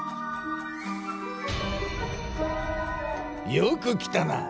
よく来たな。